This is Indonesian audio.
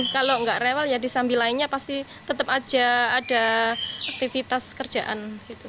kalau nggak rewel ya di samping lainnya pasti tetap aja ada aktivitas kerjaan